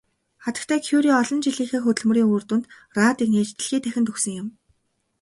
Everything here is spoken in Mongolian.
Хатагтай Кюре олон жилийнхээ хөдөлмөрийн үр дүнд радийг нээж дэлхий дахинд өгсөн юм.